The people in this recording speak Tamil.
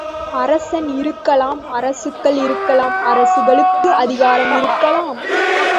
அரசன் இருக்கலாம் அரசுகள் இருக்கலாம், அரசுகளுக்கு அதிகாரம் இருக்கலாம்.